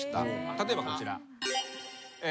例えばこちら。